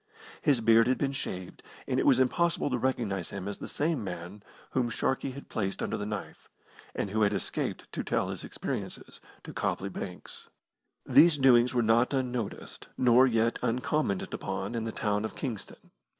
His beard had been shaved, and it was impossible to recognise him as the same man whom Sharkey had placed under the knife, and who had escaped to tell his experiences to Copley Banks. These doings were not unnoticed, nor yet uncommented upon in the town of Kingston.